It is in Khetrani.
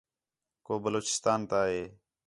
کُو بلوچستان تا ہے